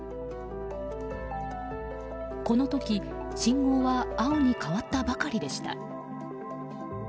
この時、信号は青に変わったばかりでした。